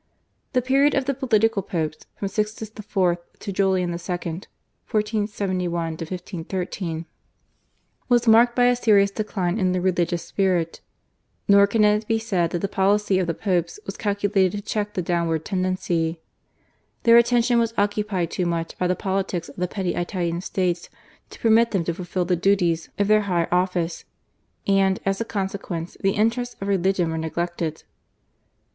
The period of the political Popes, from Sixtus IV. to Julius II. (1471 1513), was marked by a serious decline in the religious spirit, nor can it be said that the policy of the Popes was calculated to check the downward tendency. Their attention was occupied too much by the politics of the petty Italian States to permit them to fulfil the duties of their high office; and, as a consequence, the interests of religion were neglected.